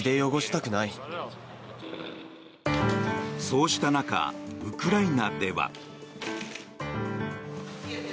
そうした中ウクライナでは。